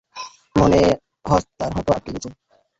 মনে হচ্ছ্ব তার হাঁটু আটকে গেছে।